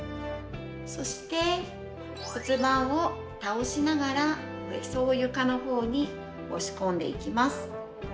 そして、骨盤を倒しながらおへそを床の方に押し込んでいきます。